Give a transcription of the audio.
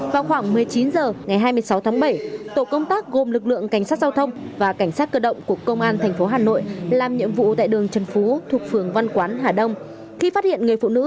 vào khoảng một mươi chín h ngày hai mươi sáu tháng bảy tổ công tác gồm lực lượng cảnh sát giao thông và cảnh sát cơ động của công an thành phố hà nội làm nhiệm vụ tại đường trần phú thuộc phường văn quán hà đông